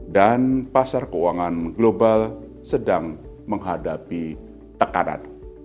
dan pasar keuangan global sedang menghadapi tekanan